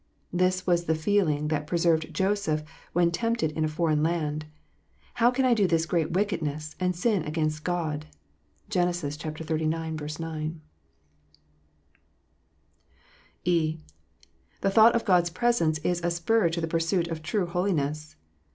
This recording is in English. This was the feeling that preserved Joseph when tempted in a foreign land: "How can I do this great wickedness, and sin against God 1 " (Gen. xxxix. 9.) (e) The thought of God s presence is a spur to the pursuit of true holiness.